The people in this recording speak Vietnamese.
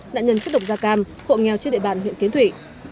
nạn nhân chất độc da cam hộ nghèo trên địa bàn huyện kiến thủy